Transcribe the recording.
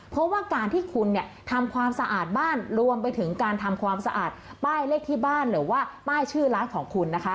เพราะว่าการที่คุณเนี่ยทำความสะอาดบ้านรวมไปถึงการทำความสะอาดป้ายเลขที่บ้านหรือว่าป้ายชื่อร้านของคุณนะคะ